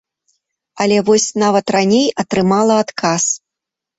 Але вось нават раней атрымала адказ.